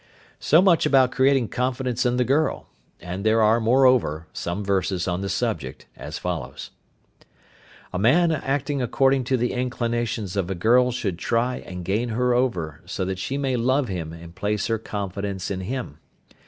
So much about creating confidence in the girl; and there are, moreover, some verses on the subject as follows: A man acting according to the inclinations of a girl should try and gain her over so that she may love him and place her confidence in him.